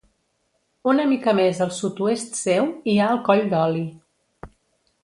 Una mica més al sud-oest seu hi ha el Coll d'Oli.